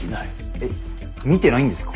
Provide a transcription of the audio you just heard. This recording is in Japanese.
え見てないんですか？